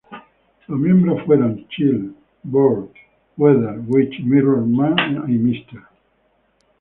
Los miembros fueron: Chill, Burn, Weather Witch, Mirror-Man, and Mr.